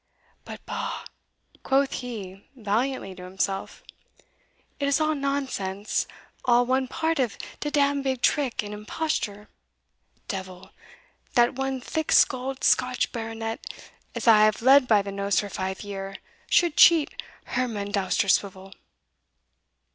"But bah!" quoth he valiantly to himself, "it is all nonsense all one part of de damn big trick and imposture. Devil! that one thick skulled Scotch Baronet, as I have led by the nose for five year, should cheat Herman Dousterswivel!"